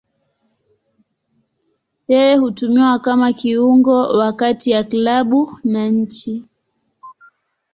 Yeye hutumiwa kama kiungo wa kati ya klabu na nchi.